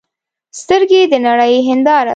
سترګې د نړۍ هنداره ده